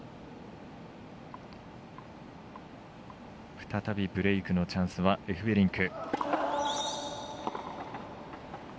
再びブレークのチャンスはエフベリンク。